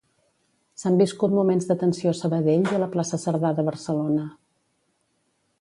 S'han viscut moments de tensió a Sabadell i a la plaça Cerdà de Barcelona.